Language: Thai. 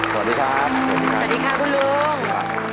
สวัสดีค่ะคุณลุง